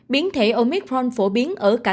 biến thể omicron phổ biến ở cả